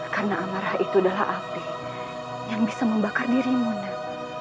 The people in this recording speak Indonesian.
karena amarah itu adalah api yang bisa membakar dirimu nan